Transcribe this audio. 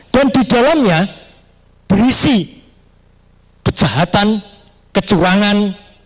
dan di dalamnya berisi kejahatan kecurangan